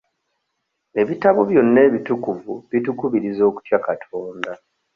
Ebitabo byonna ebitukuvu bitukubiriza okutya Katonda.